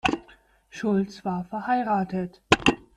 Schulz war verheiratet.